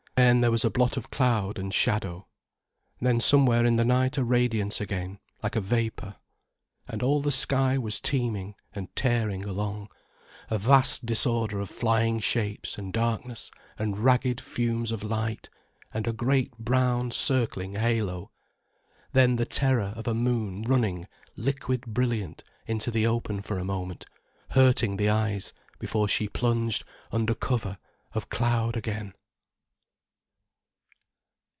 Then there was a blot of cloud, and shadow. Then somewhere in the night a radiance again, like a vapour. And all the sky was teeming and tearing along, a vast disorder of flying shapes and darkness and ragged fumes of light and a great brown circling halo, then the terror of a moon running liquid brilliant into the open for a moment, hurting the eyes before she plunged under cover of cloud again.